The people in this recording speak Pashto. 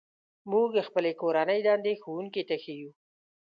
موږ خپلې کورنۍ دندې ښوونکي ته ښيو.